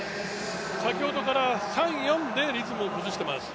先ほどから３、４でリズムを崩しています。